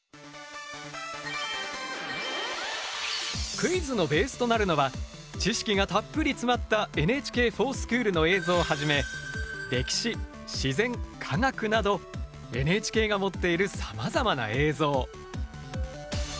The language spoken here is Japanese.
クイズのベースとなるのは知識がたっぷり詰まったＮＨＫｆｏｒＳｃｈｏｏｌの映像をはじめ歴史自然科学などＮＨＫが持っているさまざまな映像。